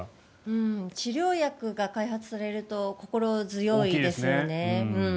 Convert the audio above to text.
治療薬が開発されると心強いですよね。